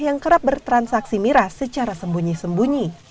yang kerap bertransaksi miras secara sembunyi sembunyi